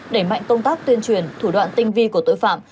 đẩy mạnh công tác tuyên truyền thủ đoạn tinh vi của tội phạm